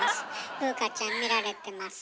風花ちゃん見られてます。